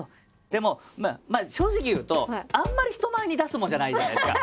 でもまあ正直言うとあんまり人前に出すもんじゃないじゃないですか。